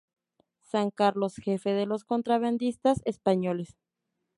San Carlos, jefe de los contrabandistas españoles.